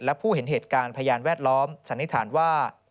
และผู้เห็นเหตุการณ์พยานแวดล้อมสันนิษฐานว่า